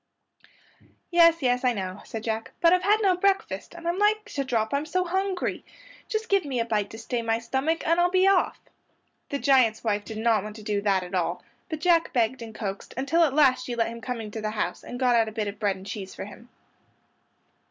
"Yes, yes, I know"; said Jack, "but I've had no breakfast, and I'm like to drop I'm so hungry. Just give me a bite to stay my stomach and I'll be off." The giant's wife did not want to do that at all, but Jack begged and coaxed until at last she let him come into the house and got out a bit of bread and cheese for him.